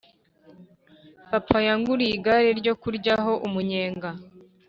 Papa yanguriye igare ryokurya ho umunyenga